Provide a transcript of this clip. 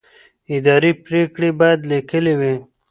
اداري پرېکړې باید لیکلې وي.